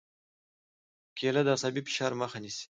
کېله د عصبي فشار مخه نیسي.